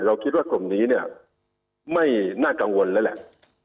คิดว่ากลุ่มนี้เนี่ยไม่น่ากังวลแล้วแหละ